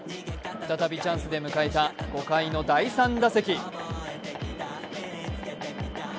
再びチャンスで迎えた５回の第３打席。